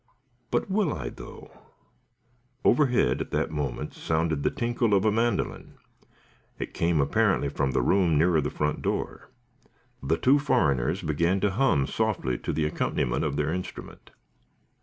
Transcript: But will I, though?" Overhead, at that moment, sounded the tinkle of a mandolin. It came, apparently, from the room nearer the front door. The two foreigners began to hum softly to the accompaniment of their instrument.